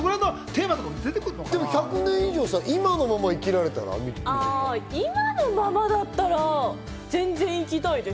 でも１００年以上、今のまま今のままだったら全然生きたいです。